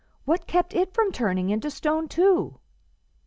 "What kept it from turning into stone too?"